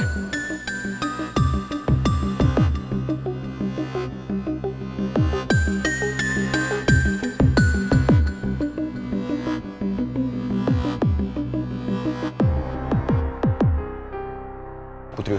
saya mau ke rumah